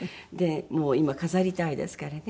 今飾りたいですからね。